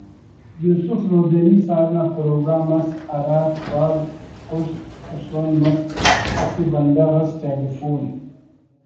یوسف رودینی صاحب نا پروگرام اس ہراٹ بھاز است ہسون مس اسہ بندغ اس ٹیلفون